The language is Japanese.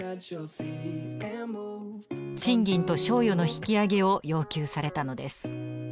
賃金と賞与の引き上げを要求されたのです。